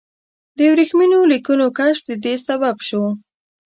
د ورېښمینو لیکونو کشف د دې سبب شو.